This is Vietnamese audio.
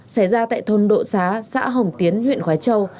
xảy ra tại thôn độ xá xã hồng tiến huyện khói châu